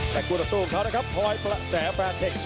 และคู่หน้าสู้เขานะครับพลอยประแสแฟร์เทคซ์